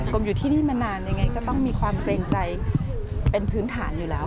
ผมอยู่ที่นี่มานานยังไงก็ต้องมีความเกรงใจเป็นพื้นฐานอยู่แล้ว